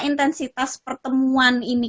intensitas pertemuan ini